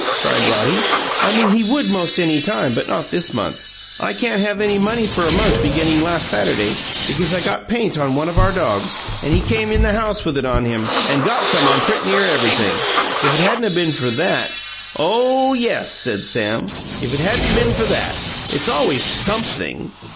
cried Roddy. "I mean he would most any time, but not this month. I can't have any money for a month beginning last Saturday, because I got paint on one of our dogs, and he came in the house with it on him, and got some on pretty near everything. If it hadn't 'a' been for that " "Oh, yes!" said Sam. "If it hadn't 'a' been for that! It's always SUMPTHING!"